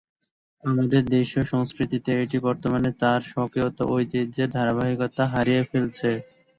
আমাদের দেশীয় সংস্কৃতিতে এটি বর্তমানে তার স্বকীয়তা ও ঐতিহ্যের ধারাবাহিকতা হারিয়ে ফেলেছে।